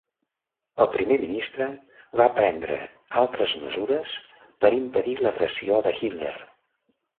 El primer ministre va prendre altres mesures per impedir l'agressió de Hitler.